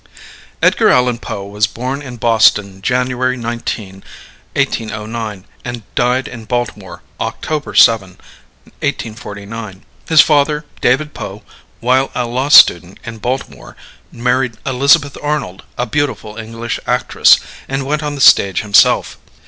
Edgar Allan Poe was born in Boston, January 19, 1809, and died in Baltimore, October 7, 1849. His father, David Poe, while a law student in Baltimore, married Elizabeth Arnold, a beautiful English actress, and went on the stage himself.